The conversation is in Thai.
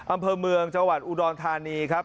อำเภอเมืองจังหวัดอุดรธานีครับ